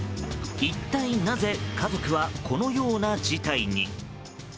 一体なぜ家族はこのような事態に？